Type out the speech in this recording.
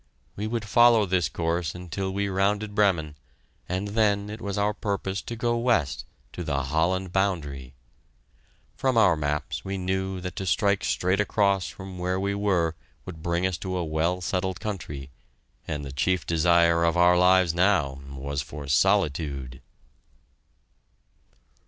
We would follow this course until we rounded Bremen, and then it was our purpose to go west to the Holland boundary. From our maps we knew that to strike straight across from where we were would bring us to a well settled country, and the chief desire of our lives now was for solitude!